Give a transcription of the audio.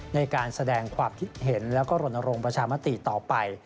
ในการแสดงความคิดเห็นแล้วก็รณรงค์ประชามติต่อไป